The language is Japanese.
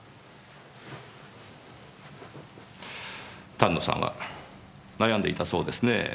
丹野さんは悩んでいたそうですねぇ。